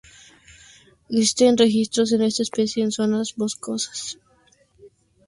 Existen registros de esta especie en zonas boscosas de Italia, Austria, Suiza y Alemania.